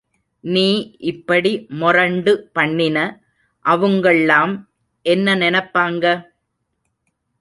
நீ இப்படி மொரண்டு பண்ணின அவுங்கள்ளாம் என்ன நெனப்பாங்க?